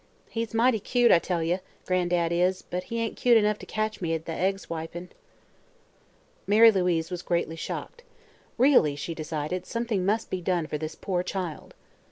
He's mighty cute, I tell ye, Gran'dad is; but he ain't cute enough to catch me at the egg swipin'." Mary Louise was greatly shocked. Really, she decided, something must be done for this poor child.